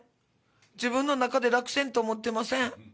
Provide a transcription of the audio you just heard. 自分の中で落選と思っていません。